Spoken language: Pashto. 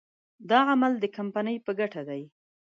دا عمل د کمپنۍ په ګټه دی.